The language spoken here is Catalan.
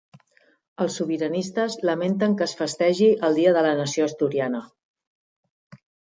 Els sobiranistes lamenten que es festegi el Dia de la Nació Asturiana